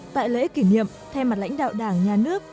tại lễ kỷ niệm thay mặt lãnh đạo đảng nhà nước